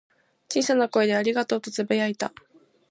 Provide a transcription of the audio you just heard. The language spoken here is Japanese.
小さな声で「ありがとう」とつぶやいた。